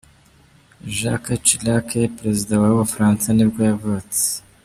Jacques Chirac, perezida wa w’ubufaransa nibwo yavutse.